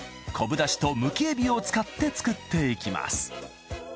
昆布だしとむきエビを使って作っていきます